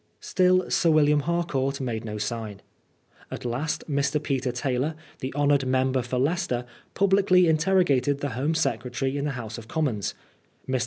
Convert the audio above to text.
Still Sir William Harcourt made no sign. At last Mr. Peter Taylor, the honored member for Leicester,, publicly interrogated the Home Secretary in the LOSS AND GAIN. 167 House of Commons. Mr.